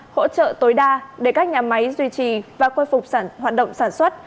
hỗ trợ tối đa để các nhà máy duy trì và khôi phục hoạt động sản xuất